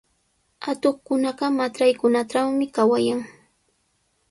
Atuqkunaqa matraykunatrawmi kawayan.